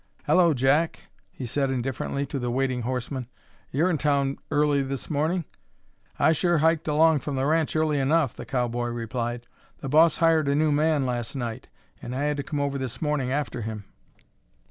"Hello, Jack," he said indifferently to the waiting horseman. "You're in town early this morning." "I sure hiked along from the ranch early enough," the cowboy replied. "The boss hired a new man last night; and I had to come over this morning after him."